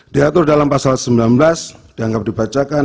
diatur dalam pasal sembilan belas dianggap dibacakan